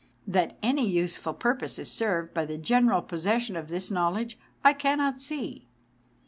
That any useful purpose is served by the general possession of this knowledge I cannot see.